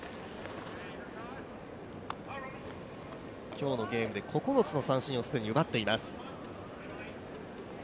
今日のゲームで９つの三振を既に奪っています。